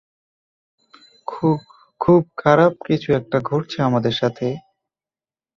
খু-খুব খারাপ কিছু একটা ঘটছে আমাদের সাথে।